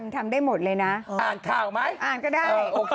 ทำได้หมดเลยนะอ่านข่าวไหมอ่านก็ได้